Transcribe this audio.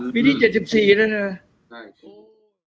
โปรดติดตามตอนต่อไป